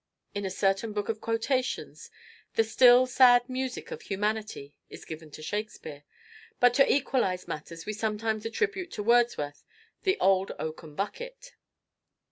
In a certain book of quotations, "The still sad music of humanity" is given to Shakespeare; but to equalize matters we sometimes attribute to Wordsworth "The Old Oaken Bucket."